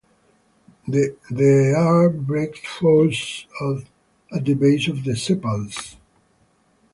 The are bracteoles at the base of the sepals.